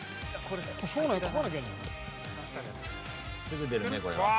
すぐ出るねこれは。